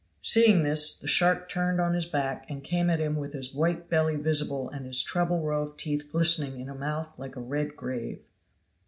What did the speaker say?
Seeing this, the shark turned on his back, and came at him with his white belly visible and his treble row of teeth glistening in a mouth like a red grave.